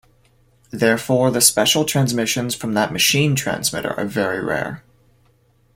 Therefore the special transmissions from that machine transmitter are very rare.